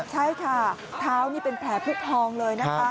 ใช่ค่ะเท้านี่เป็นแผลผู้พองเลยนะคะ